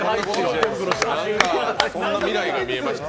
そんな未来が見えました。